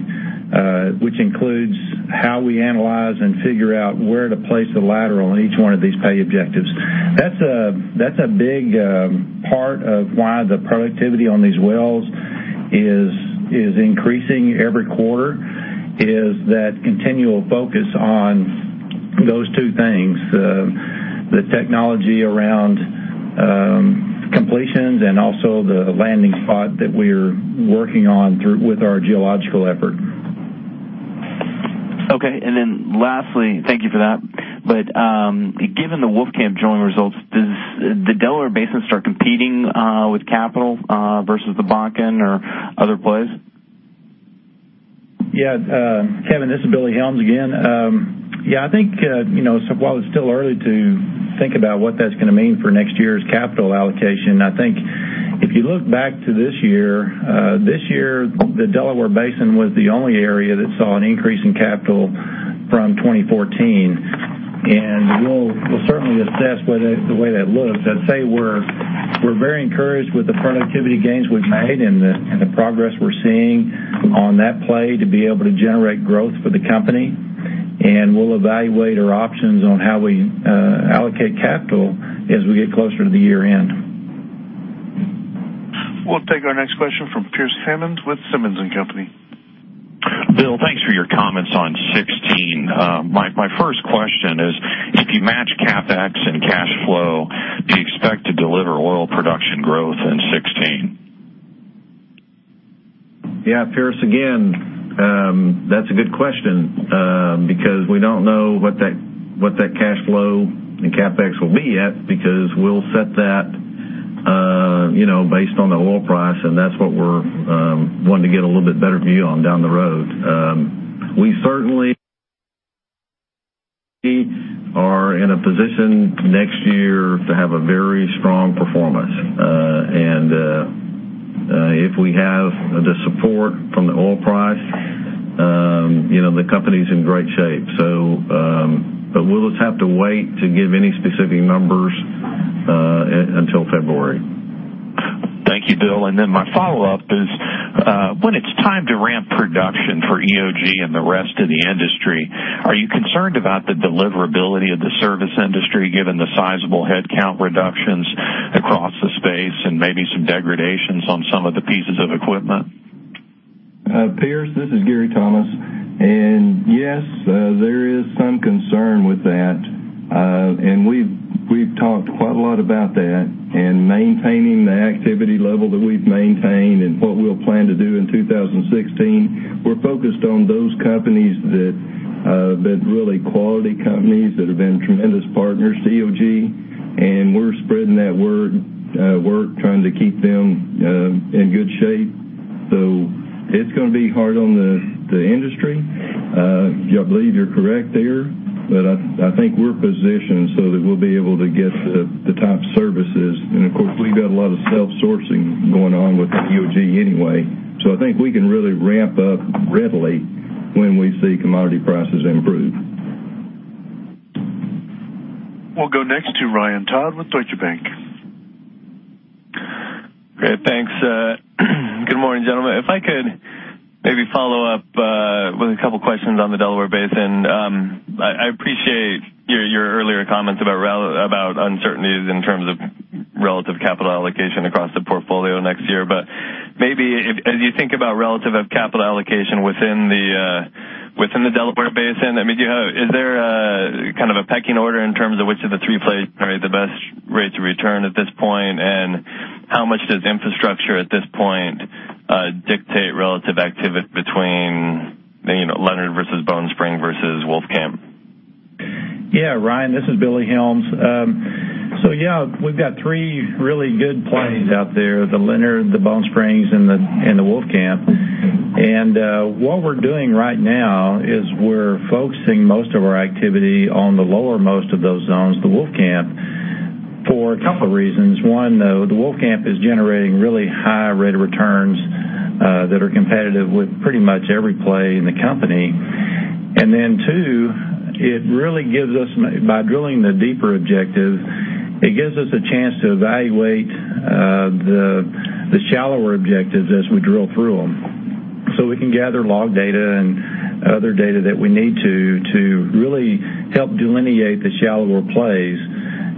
which includes how we analyze and figure out where to place a lateral in each one of these pay objectives. That's a big part of why the productivity on these wells is increasing every quarter, is that continual focus on those two things, the technology around completions and also the landing spot that we're working on with our geological effort. Okay. Lastly, thank you for that, given the Wolfcamp drilling results, does the Delaware Basin start competing with capital versus the Bakken or other plays? Kevin, this is Billy Helms again. I think while it's still early to think about what that's going to mean for next year's capital allocation, I think if you look back to this year, this year, the Delaware Basin was the only area that saw an increase in capital from 2014. We'll certainly assess the way that looks. I'd say we're very encouraged with the productivity gains we've made and the progress we're seeing on that play to be able to generate growth for the company. We'll evaluate our options on how we allocate capital as we get closer to the year-end. We'll take our next question from Pearce Hammond with Simmons & Company. Bill, thanks for your comments on 2016. My first question is, if you match CapEx and cash flow, do you expect to deliver oil production growth in 2016? Pearce, again, that's a good question because we don't know what that cash flow and CapEx will be yet because we'll set that based on the oil price, that's what we're wanting to get a little bit better view on down the road. We certainly are in a position next year to have a very strong performance. If we have the support from the oil price, the company's in great shape. We'll just have to wait to give any specific numbers until February. Thank you, Bill. My follow-up is when it's time to ramp production for EOG and the rest of the industry, are you concerned about the deliverability of the service industry, given the sizable headcount reductions across the space and maybe some degradations on some of the pieces of equipment? Pearce, this is Gary Thomas. Yes, there is some concern with that. We've talked quite a lot about that and maintaining the activity level that we've maintained and what we'll plan to do in 2016. We're focused on those companies that are really quality companies, that have been tremendous partners to EOG, and we're spreading that word. We're trying to keep them in good shape. It's going to be hard on the industry. I believe you're correct there, but I think we're positioned so that we'll be able to get the top services. Of course, we've got a lot of self-sourcing going on with EOG anyway. I think we can really ramp up readily when we see commodity prices improve. We'll go next to Ryan Todd with Deutsche Bank. Great. Thanks. Good morning, gentlemen. If I could maybe follow up with a couple questions on the Delaware Basin. I appreciate your earlier comments about uncertainties in terms of relative capital allocation across the portfolio next year. Maybe as you think about relative capital allocation within the Delaware Basin, is there kind of a pecking order in terms of which of the three plays carry the best rates of return at this point, and how much does infrastructure at this point dictate relative activity between Leonard versus Bone Spring versus Wolfcamp? Yeah, Ryan, this is Billy Helms. Yeah, we've got three really good plays out there, the Leonard, the Bone Springs, and the Wolfcamp. What we're doing right now is we're focusing most of our activity on the lower most of those zones, the Wolfcamp, for a couple reasons. One, the Wolfcamp is generating really high rate of returns that are competitive with pretty much every play in the company. Two, by drilling the deeper objective, it gives us a chance to evaluate the shallower objectives as we drill through them, so we can gather log data and other data that we need to really help delineate the shallower plays,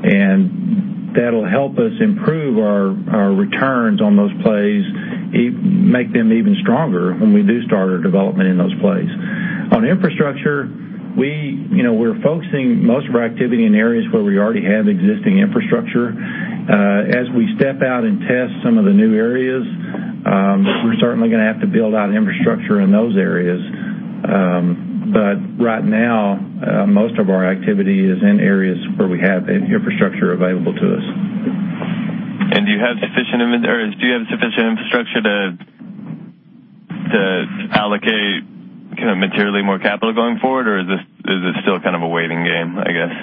and that'll help us improve our returns on those plays, make them even stronger when we do start our development in those plays. On infrastructure, we're focusing most of our activity in areas where we already have existing infrastructure. As we step out and test some of the new areas, we're certainly going to have to build out infrastructure in those areas. Right now, most of our activity is in areas where we have the infrastructure available to us. Do you have sufficient infrastructure to allocate materially more capital going forward, or is this still kind of a waiting game, I guess?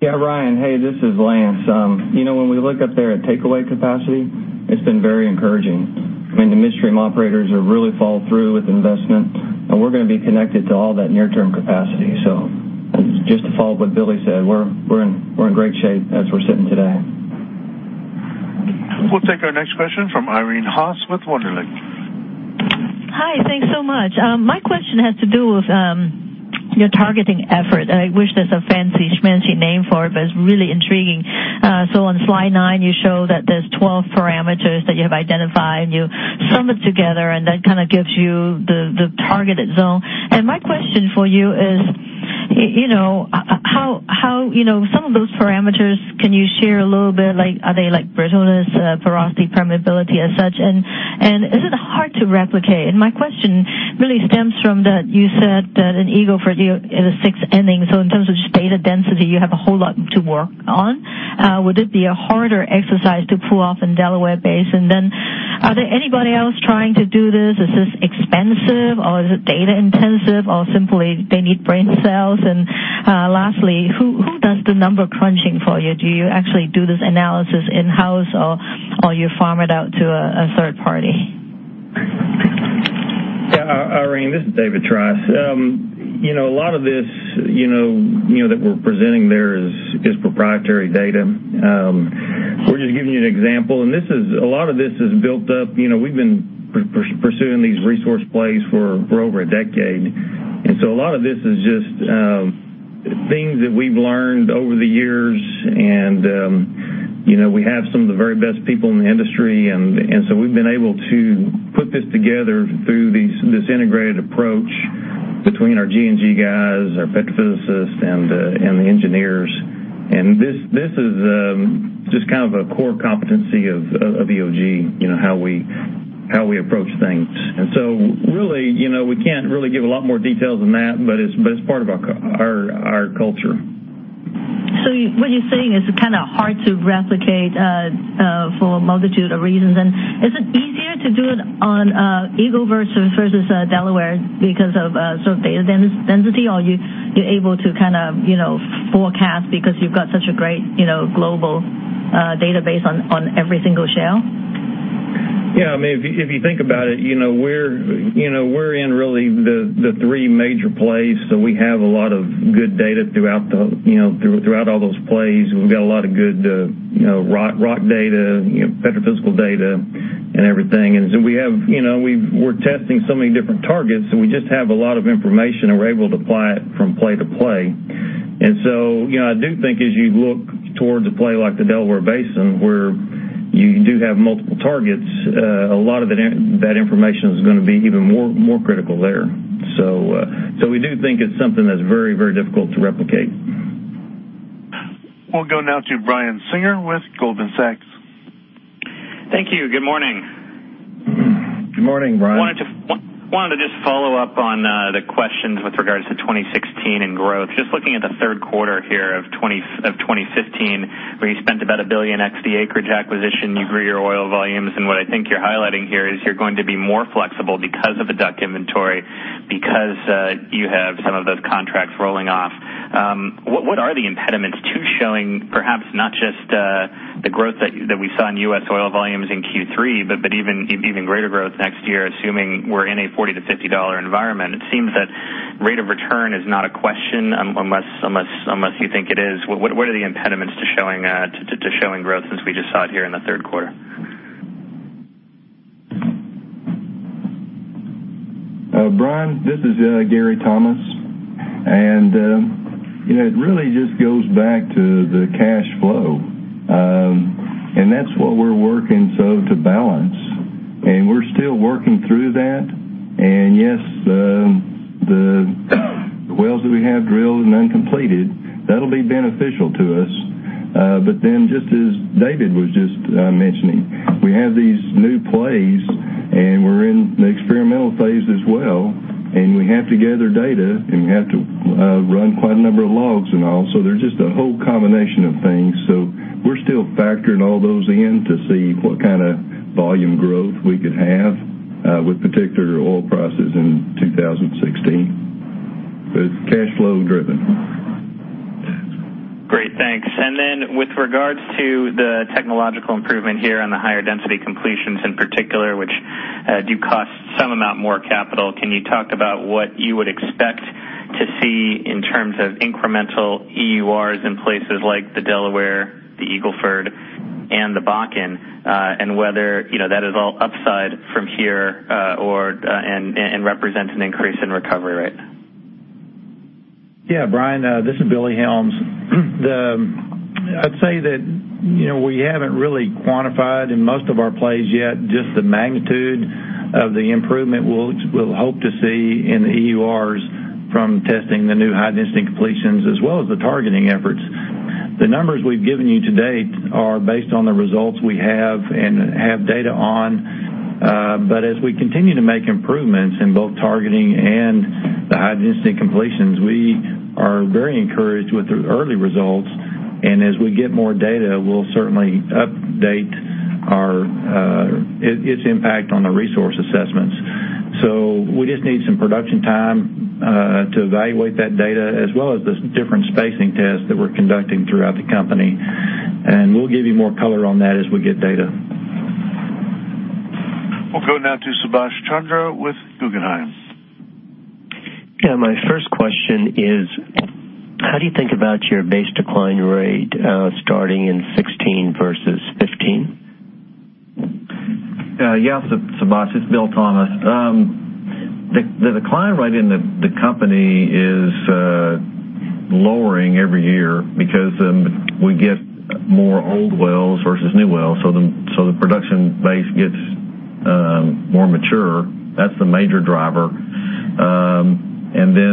Yeah, Ryan. Hey, this is Lance. When we look up there at takeaway capacity, it's been very encouraging. I mean, the midstream operators have really followed through with investment, and we're going to be connected to all that near-term capacity. Just to follow what Billy said, we're in great shape as we're sitting today. We'll take our next question from Irene Haas with Wunderlich. Hi, thanks so much. My question has to do with your targeting effort. I wish there's a fancy schmancy name for it, but it's really intriguing. On slide nine, you show that there's 12 parameters that you have identified, you sum it together, and that kind of gives you the targeted zone. My question for you is, some of those parameters, can you share a little bit, are they like brittleness, porosity, permeability as such? Is it hard to replicate? My question really stems from that you said that an Eagle Ford deal is a sixth inning, so in terms of just data density, you have a whole lot to work on. Would it be a harder exercise to pull off in Delaware Basin? Are there anybody else trying to do this? Is this expensive, or is it data intensive, or simply they need brain cells? Lastly, who does the number crunching for you? Do you actually do this analysis in-house, or you farm it out to a third party? Irene, this is David Trice. A lot of this that we're presenting there is proprietary data. We're just giving you an example, a lot of this is built up. We've been pursuing these resource plays for over a decade, a lot of this is just things that we've learned over the years, we have some of the very best people in the industry, we've been able to put this together through this integrated approach between our G&G guys, our petrophysicists, and the engineers. This is just kind of a core competency of EOG, how we approach things. Really, we can't really give a lot more detail than that, but it's part of our culture. What you're saying is kind of hard to replicate for a multitude of reasons. Is it easier to do it on Eagle Ford versus Delaware because of sort of data density, or you're able to kind of forecast because you've got such a great global database on every single shale? Yes. If you think about it, we're in really the three major plays, so we have a lot of good data throughout all those plays. We've got a lot of good rock data, petrophysical data and everything. We're testing so many different targets, and we just have a lot of information, and we're able to apply it from play to play. I do think as you look toward the play like the Delaware Basin, where you do have multiple targets, a lot of that information is going to be even more critical there. We do think it's something that's very, very difficult to replicate. We'll go now to Brian Singer with Goldman Sachs. Thank you. Good morning. Good morning, Brian. I wanted to just follow up on the questions with regards to 2016 and growth. Just looking at the third quarter here of 2015, where you spent about $1 billion XD acreage acquisition, you grew your oil volumes, and what I think you're highlighting here is you're going to be more flexible because of the DUC inventory, because you have some of those contracts rolling off. What are the impediments to showing perhaps not just the growth that we saw in U.S. Oil volumes in Q3, but even greater growth next year, assuming we're in a $40-$50 environment? It seems that rate of return is not a question, unless you think it is. What are the impediments to showing growth since we just saw it here in the third quarter? Brian, this is Gary Thomas. It really just goes back to the cash flow. That's what we're working, so to balance, and we're still working through that. Yes, the wells that we have drilled and uncompleted, that'll be beneficial to us. Just as David was just mentioning, we have these new plays, and we're in the experimental phase as well, and we have to gather data, and we have to run quite a number of logs and all. There's just a whole combination of things. We're still factoring all those in to see what kind of volume growth we could have with particular oil prices in 2016. It's cash flow driven. Great, thanks. With regards to the technological improvement here on the higher density completions in particular, which do cost some amount more capital, can you talk about what you would expect to see in terms of incremental EURs in places like the Delaware, the Eagle Ford, and the Bakken, and whether that is all upside from here and represents an increase in recovery rate? Yeah, Brian, this is Billy Helms. I'd say that we haven't really quantified in most of our plays yet just the magnitude of the improvement we'll hope to see in the EURs from testing the new high-density completions as well as the targeting efforts. The numbers we've given you to date are based on the results we have and have data on. As we continue to make improvements in both targeting and the high-density completions, we are very encouraged with the early results. As we get more data, we'll certainly update its impact on the resource assessments. We just need some production time to evaluate that data as well as the different spacing tests that we're conducting throughout the company. We'll give you more color on that as we get data. We'll go now to Subash Chandra with Guggenheim. Yeah, my first question is, how do you think about your base decline rate starting in 2016 versus 2015? Yeah. Subash, it's Bill Thomas. The decline rate in the company is lowering every year because we get more old wells versus new wells, so the production base gets more mature. That's the major driver.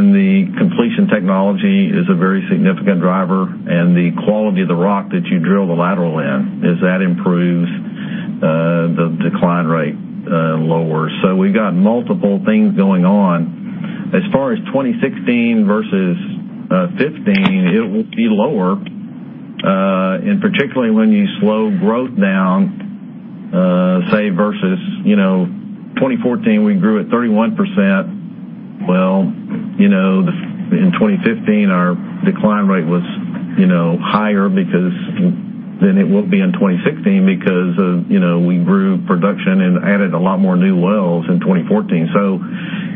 The completion technology is a very significant driver, and the quality of the rock that you drill the lateral in, as that improves, the decline rate lowers. We've got multiple things going on. As far as 2016 versus 2015, it will be lower. Particularly when you slow growth down, say versus 2014, we grew at 31%. In 2015, our decline rate was higher than it will be in 2016 because we grew production and added a lot more new wells in 2014.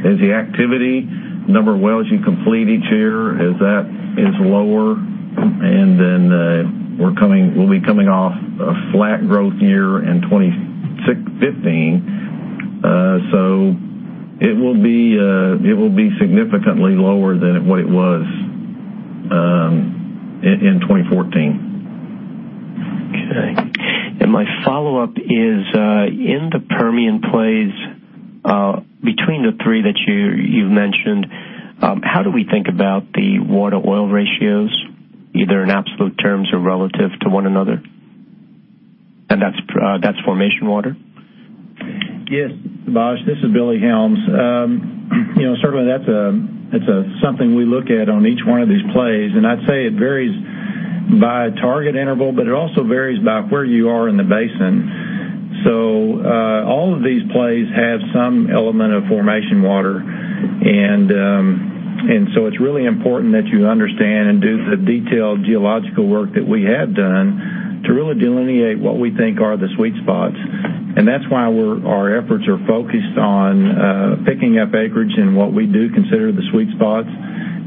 As the activity, number of wells you complete each year, as that is lower, then we'll be coming off a flat growth year in 2015. It will be significantly lower than what it was in 2014. Okay. My follow-up is, in the Permian plays, between the three that you've mentioned, how do we think about the water oil ratios, either in absolute terms or relative to one another? That's formation water? Yes, Subash, this is Billy Helms. Certainly, that's something we look at on each one of these plays, I'd say it varies by target interval, it also varies by where you are in the basin. All of these plays have some element of formation water. It's really important that you understand and do the detailed geological work that we have done to really delineate what we think are the sweet spots. That's why our efforts are focused on picking up acreage in what we do consider the sweet spots.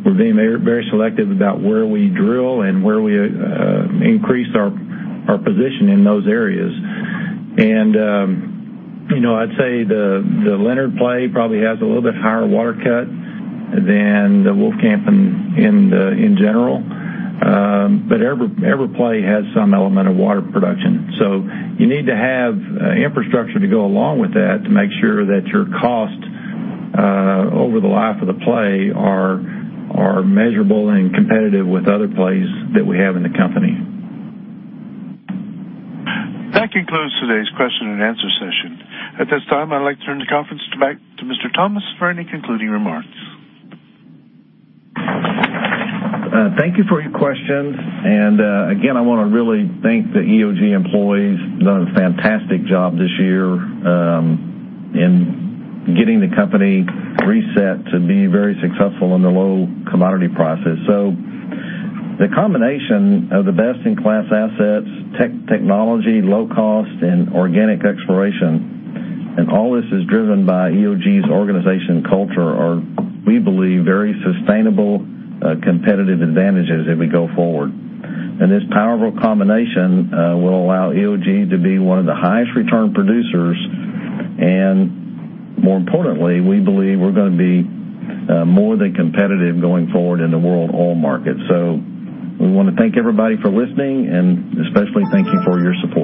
We're being very selective about where we drill and where we increase our position in those areas. I'd say the Leonard play probably has a little bit higher water cut than the Wolfcamp in general. Every play has some element of water production. You need to have infrastructure to go along with that to make sure that your cost over the life of the play are measurable and competitive with other plays that we have in the company. That concludes today's question and answer session. At this time, I'd like to turn the conference back to Mr. Thomas for any concluding remarks. Thank you for your questions. Again, I want to really thank the EOG employees. They have done a fantastic job this year in getting the company reset to be very successful in the low commodity prices. The combination of the best-in-class assets, technology, low cost, and organic exploration, and all this is driven by EOG's organization culture are, we believe, very sustainable competitive advantages as we go forward. This powerful combination will allow EOG to be one of the highest return producers, and more importantly, we believe we're going to be more than competitive going forward in the world oil market. We want to thank everybody for listening and especially thank you for your support.